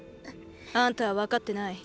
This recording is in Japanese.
あんたはわかってない。